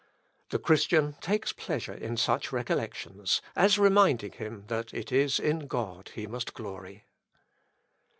The Christian takes pleasure in such recollections, as reminding him that it is in God he must glory.